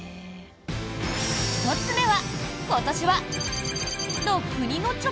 １つ目は。